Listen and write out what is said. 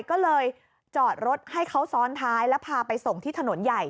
ก็เลยจอดรถให้เขาซ้อนท้ายแล้วพาไปส่งที่ถนนใหญ่